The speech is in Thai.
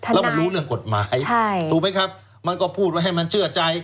แล้วมันรู้เรื่องกฎหมายถูกไหมครับมันก็พูดไว้ให้มันเชื่อใจ